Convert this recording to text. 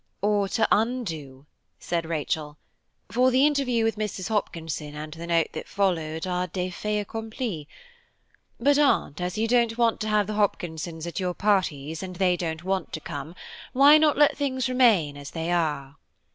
"Or to undo," said Rachel, "for the interview with Mrs. Hopkinson and the note that followed are des faits accomplis. But, Aunt, as you don't want to have the Hopkinsons at your parties, and they don't want to come, why not let things remain as they are?"